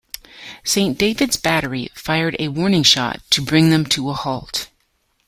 St. David's Battery fired a warning shot to bring them to a halt.